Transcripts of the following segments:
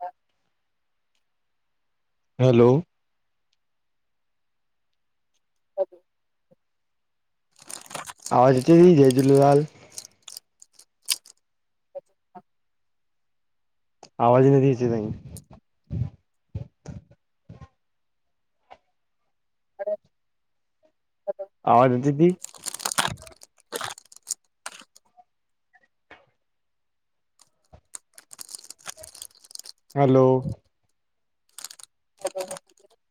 ह- hello. Hello. हा दीदी, जय झूलेलाल। आवाज़ ही नथी अचे ताजी। ह आवाज़ अचेती? [unintelligible] हलो। [inaudible]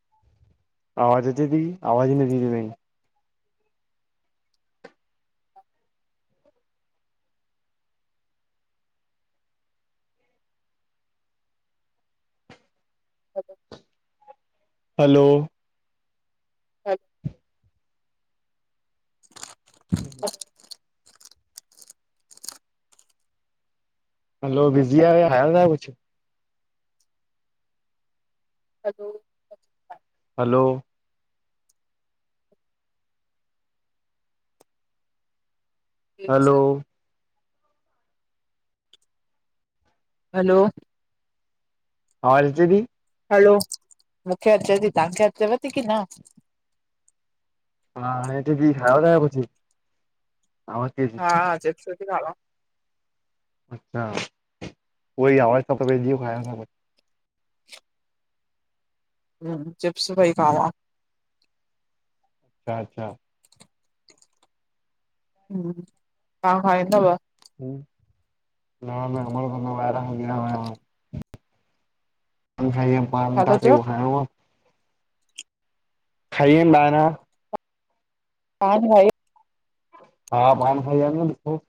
आवाज़ अचे थी। आवाज़ ही नती अचे तवाजी। हलो। हलो। हच् ह हलो बिज़ी आयो। ठयो ते शा कुश। हलो। हलो। हलो। हलो। आवाज़ अचेती? हलो मूंखे अचे थी, तव्हांखे अचेव थी की न? हा हाणे अचेती खाव ता शा कुष आवाज ही अचे। हा अचे ती न हवा। अच्छा उहई आवाज़ु ते ह चिप्स पई खावां। छा, छा। हू तवा कंदवा। ह न न अर को वहिरदी न कल खाही आयूँ छा पान, था तवाखे चओ? कुहो रोहा। खाई आयूँ बाहिरा। हा न भाई। हा, पान खाई आयूँ न मिठो।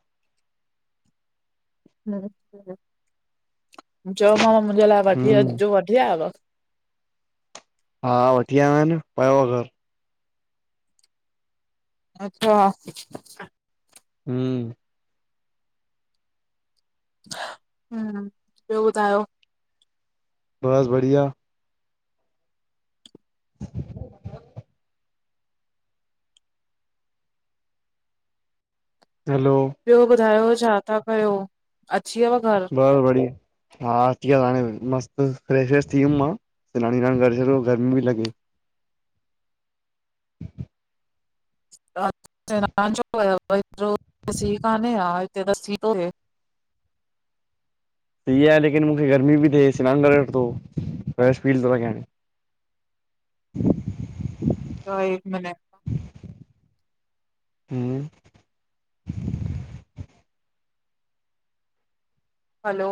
चयोमां मुंहिंजे लाइ वठी हम्म, अचजो, वठी आयांव? हा वठी आयो आ न, पयो आहे घर। अच्छा। [inaudible] हूं ॿियो ॿुधायो? बस बढ़िया। हलो ॿियो ॿुधायो छा था कयो अची वियव घर? बस बढ़िया। हा अची त हाणे मस्त फ्रेश व्रेश थी वियमि मां सिनान विनान करे छॾो गर्मी लॻी। [unintelligible] सी काने छा हिते त सी पे प्यो। सी आ आहे लेकिन मूंखे गर्मी पी थिए सिनानु करे वर्तो फ्रैश फील थो लॻे। [unintelligible] त हिक मिनट ह्म [unintelligible] हलो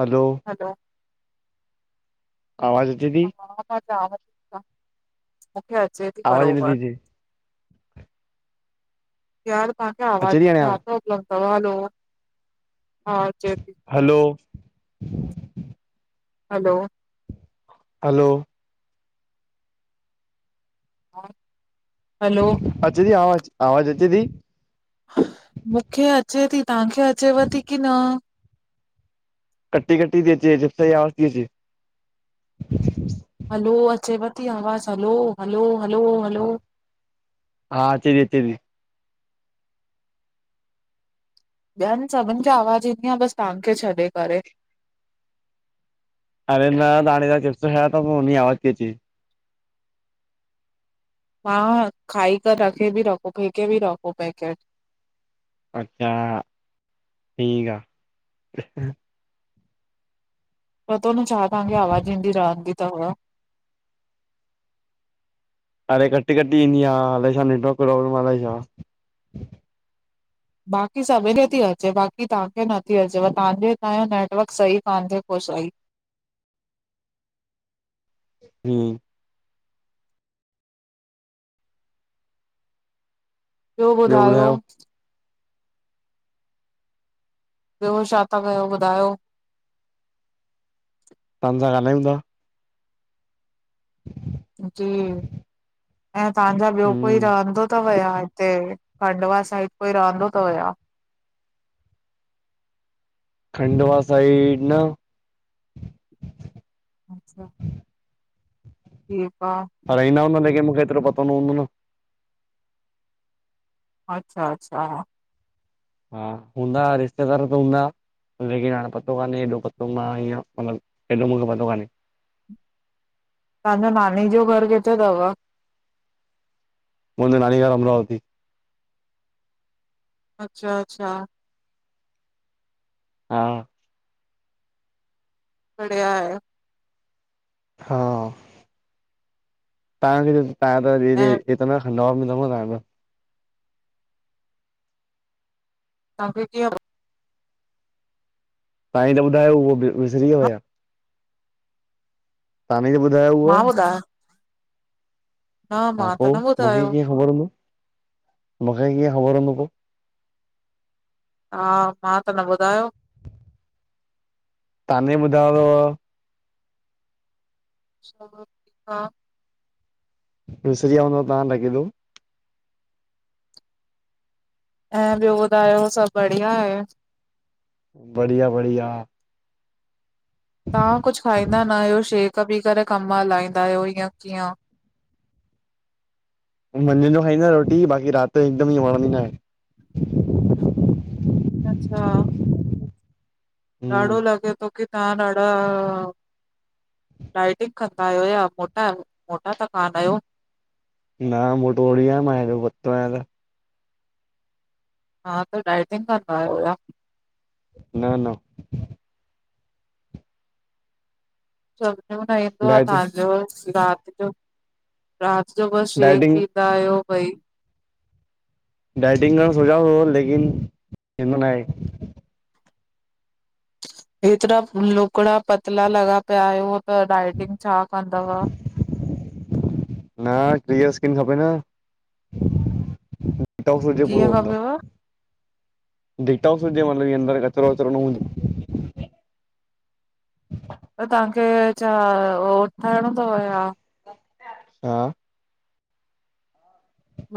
हलो हलो हा [unintelligible] वज़ हा मां चव थी मूंखे अचे थी आवाज़ नथी बरोबर अचे यार तव्हांखे आवाज अचे थी हाणे छा आवाज़ थो उपलब् अथ हलो हा अचे [unintelligible] हलो हलो हलो हलो अचे थी आवाज़ु आवाज़ अचे थी? मूंखे अचे थी तव्हांखे अचेव थी की न? कटी कटी थी अचे जिप सां थी अचे। हलो अचेवती आवाज़ हलो हलो हलो हलो हा अचे थी अचे थी। ॿियनि सभिनि खे आवाज़ु ईंदी आहे बस तव्हांखे छॾे करे। अरे न अञाणे त चिप्स ह तो खायां पोइ उनई आवाज़ु अचे थी। हां खाई करे रखे बि रखो फेके बि रखो पैकेट। अच्छा ठीकु आ। पतो न छा तव्हांखे आवाज़ु ईंदी रहंदी थव। अड़े कटी कटी ईंदी आहे अल्हाए छा नेटवर्क पॉब्लम अलाए छा। बाक़ी सभिनी खे थी अचे बाक़ी तव्हांखे नथी अचेव तव्हांजे हितां जो नेटवर्क सही कान थे को सही। हूं ॿियो ॿुधायो? ॿियो छा था कयो ॿुधायो? तासां ॻाल्हाईयूं था। जी ऐं तहांजा ॿियो कोई हम्म रहंदो थव? हुया उते खंडवा साइड कोई रहंदो तवया? खंडवा साइड न। अच्छा [unintelligible] ॿियो तां [inaudible] पर ईंदा हूंदा लेकिन मूंखे एतिरो पतो न हूंदो न। अच्छा -अच्छा। हा, हूंदा रिश्तेदार त हूंदा। लेकिन हाणे पतो कान्हे एॾो पतो मां ईअं मतलबु एॾो मूंखे पतो कान्हे। तव्हांजो नानी जो घर किथे तव? मुंहिंजी नानी जो घर अमरावती। अच्छा- अच्छा। हा। बढ़िया आहे। हा। तव्हांखे तां [unintelligible] ऐं तिरा खंडवा मिलंदोव तव्हांज तां खे कीअं? तां ही त ॿुधायो उहो विसरी यव या,, तवां ही त ॿुधायो उअ मां ॿुधायो न हा मां पो त न मूंखेे ॿुधायो कीअं ख़बर हुंदो, मूंखे कीअं ख़बर हुंदो पो। हा, मां त न ॿुधायो। तां नी ॿधायो हव। छ हा। विसरीया हुंदव तां लॻे तो, ऐं ॿियो ॿुधायो सभु बढ़िया आहे? बढ़िया- बढ़िया। तां कुछ खाईंदा नायो शेक पी करे कम हलाईंदा आहियो इयं कीअं? मंझंदि जो खाईंदा रोटी बाक़ी रात जो हिकदमि ई वणंद ई नाहे। अच्छा। ॾाढो हम्म लॻंदो की तां ॾाढा डाइटिंग कंदा आहियो, या मोटा- मोटा त कान आहियो? न मोटो ओड़ी आ मां एॾो पतो आहियां त। हा त डाइटिंग कंदायो या? न -न। सम्झ में न ईंदो आ डाइटिंग तवांजो राति जो राति जो बस शेक डाइटिंग पि दायो भई। डाइटिंग सोचां वो लेकिन थींदो नाहे। एतिरा लुकड़ा पतला लॻा पिया आयो, त डायटिंग छा कंदव? न डी स्किन खपे न। वटउसरजे पूरो कीअं हूंदा खपेव [unintelligible] डिटॉक्स हुजे मतलब ईयं अंदर कचरो वचरो न‌ हुज त तव्हांखे छा उ ठहिणो तव या? हा।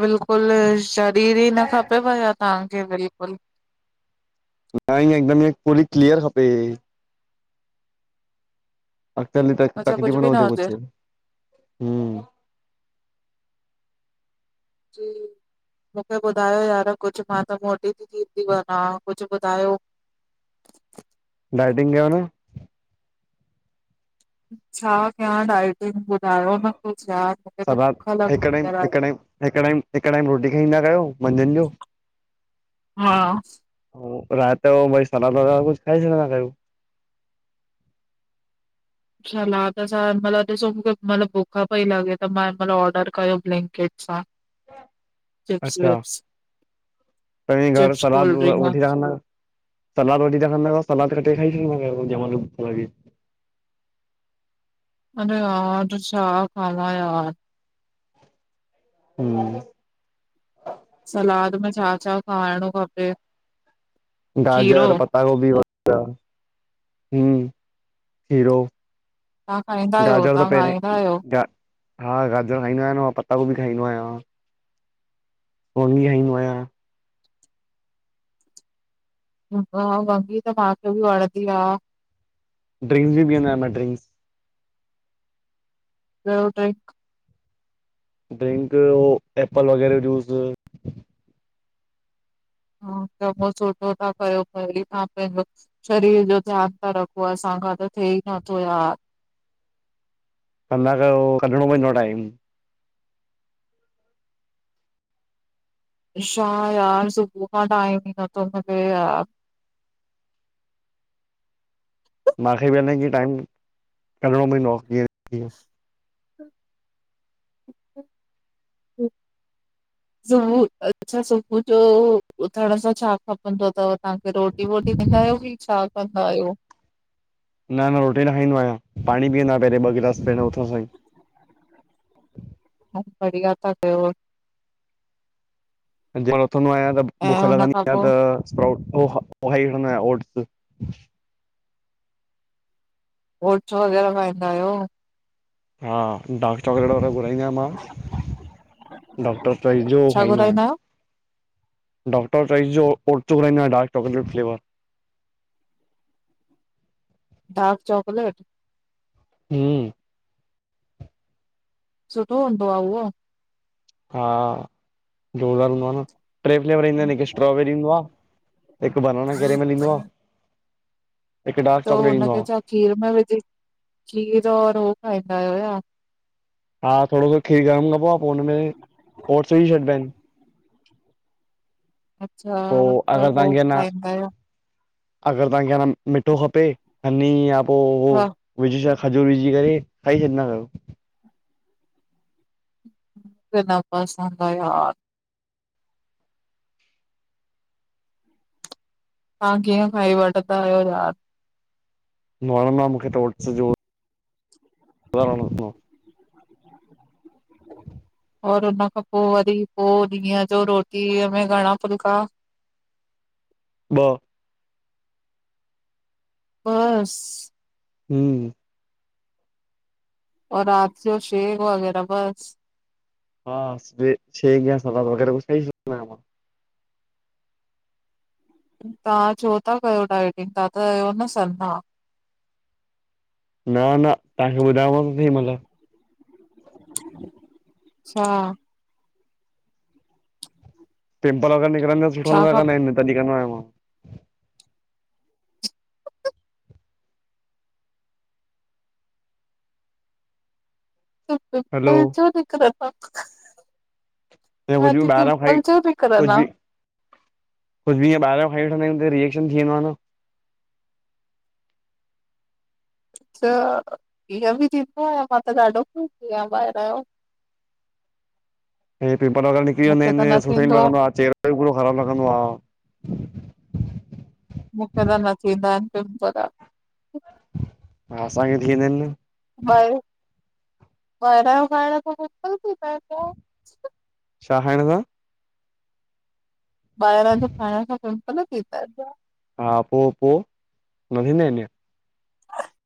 बिल्कुलु शरीर ई न खपेव या तांखे बिल्कुलु। न ईंय हिकदमि इएंं पुली क्लीअर खपे। अ त त अच्छा तखे जीव कुझु बि न हुजे नहजे हम [unintelligible] जी। मूंखे ॿुधायो यार, कुछ मां त मोटी थींदी ती वञा कुछ ॿुधायो? इाइटिंग कयो न। छा कयया डाइट? ॿुधायो न तूं छा यार, मूंखे त सलाद बुख लॻ हिकु थी टाइम कराई। हिकु टाइम हिकु टाइम हिकु टाइम रोटी खाईंदा कयो मंझंन जो। हा रात जो भई सलाद वलाद कुछ खाई छडंदा कयो। सलाद छा, हिन महिल ॾिसो मूंखे मतलबु बुक्ख पई लॻे त मां हिन महिल ऑर्डर कयो ब्लिंकेट हा चिप्स- विप्स कई घर चिप्स सलद कोल्ड ड्रिंक वठी रह न [unintelligible] सलाद रो त खण न सलाद कटे खाई छॾ [unintelligible] न जाम ल थोी अडरे यार छा खां यार! हम्म सलाद में छा- छा खाइणो खपे? खीरो गाजर, पता गोभी व हम खीरो। तव्हां खाईंदा आहियो? गाजर त तव्हां पहिरि, खाईंदा आहियो? गा हा गाजर खाईंदो आहियां मां पता गोबी खाईंदो आहियां गोबी खाईंदो आहियां। हा, वंगी त मांखे बि वणंदी आ। ड्रिंस बि पिअंदा आहिन न ड्रिंक्स। र टाइ [unintelligible] ड्रिंक एपल वगैरह जूस। ह चङो सुठो था कयो, पहिरी तहां पंहिंजो शरीर जो ध्यान ता रखो, असांखां त थिए ई नथो यार। कंदा कयो, कढिणो पवंदो आ टाइम। छा यार, सुबुह खां टाइम ई नथो मिले यार। माखे बि अ न कि टाइम कढणो पवंदो आ जीअं तिंअ। हम। [inaudible] सुबह अच्छा सुबुह जो उथण सां छा खपंदो तव? तांखे रोटी वोटी ॾींदा आहियो कि छा कंदा आहियो? न न रोटी न खाईंदो आहियां, पाणी पीअंदो आहियां पहिरियों ॿ गिलास पहिरं उथण सां ई। बढ़िया ता कयो। जिंअ मां उथंदो आहियां त ऐं बुख हुन लॻंदी खां आ पोइ त स्प्राउट्स अंउ हिक खाइंदो आंयां ओट्स। ओट्स वग़ैरह खाईंदा आहियों। हा, डार्क चॉकलेट वारो घुराईंदो आहियां मां, डॉक्टर चोइस जो हु छा खाईंदो आंयां। घुराईंदा आहियो डॉक्टर चौइस जो ओट्स घुरांइंदो आंयां dark chocolate flavour. Dark chocolate. हम्म सुठो हूंदो आ उहो? हा ज़ोरदारु हूंदो आ न, ट्रे फ्लेवर ईंदा आहिन हिकु स्ट्रोबेरी आ हिकु बनाना केरेमल ईंदो आ त हुनखे छा खीर में विझी खीर और हो खाईंदा आहियो या? हा थोड़ो सो खीर गरम कबो आ, पोइ हुन में ओर्ट्स विझी छॾिबा आहिन। अच्छा त हो खाईंदा आहियो। अगर तांखे अञां मिठो खपे त हनी या पो उह मूंखे पिस्ता खजूर विझी करे खाई छॾंदा कयो। मुखे न पसंद आ यार। तव्हां कीअं खाई वठदा आयो यार? [unintelligible] न मूंखे टोट्स जो। [unintelligible] और हुनन खां पो वरी पो ॾींहं जो रोटीअ में घणा फुल्का? ॿ। बस? हूं। औ रात जो जो शेक वग़ैर बस। हा शे शेक या सलाद वगैरा कुझ खाई छडंदो आयां मां। तव्हां छो था कयो डाइटिंग, तव्हां त आयो न सना? न न, तव्हांखे ॿुधायांव ओॾी मल अच्छा। पिंपल वगैर निकणंदा त सुठो न छा खा लॻना इन त कडीं कंदो आयां मां। हलो पिंपल छो निकरंदा? ऐं कुझु तांखे बि ॿाहिरां खाई पिंपल छो निकरंदा? कुझ बि ईअं ॿहिरां खाई वठंदायूं त रिएक्शन थी वेनो आ न। त ईअं बि थींदो आया मां त ॾाढो खाईंदी आयां ॿाहिरां जो। [inaudible] हे पिंपल वग़ैरा निकरी वेंदा मूंखे आहिन त हे सुठो ई थींदो न लॻंदो आ चहरो बि पूरो ख़राब लॻंदो आ। मूंखे त न थींदा आहिन पिंपल। हा, असांखे थींदा आहिन न। बारयां, बारयां जो खाइण सां पिंपल थी पएंदो आ। छा खाइण सां? ॿहिरां जो खाइण खां पिंपल थींदा इन। हा पो पो, न थींदा आहिनि छा?